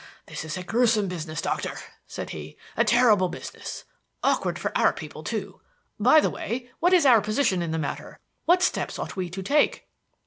"This is a gruesome business, Doctor," said he. "A terrible business. Awkward for our people, too. By the way, what is our position in the matter? What steps ought we to take?"